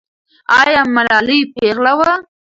آیا ملالۍ پېغله وه؟